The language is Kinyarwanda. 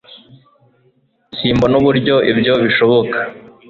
Simbona uburyo ibyo bishoboka